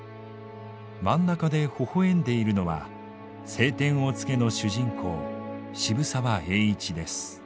真ん中でほほえんでいるのは「青天を衝け」の主人公渋沢栄一です。